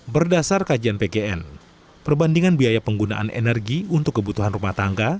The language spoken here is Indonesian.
berdasar kajian pgn perbandingan biaya penggunaan energi untuk kebutuhan rumah tangga